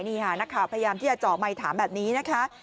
นี่ค่ะนักข่าวพยายามที่จะเจาะไมค์ถามแบบนี้นะคะ